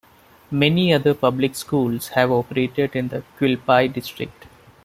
Many other public schools have operated in the Quilpie district.